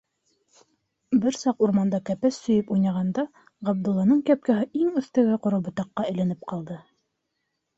Бер саҡ урманда кәпәс сөйөп уйнағанда, Ғабдулланың кепкаһы иң өҫтәге ҡоро ботаҡҡа эленеп ҡалды.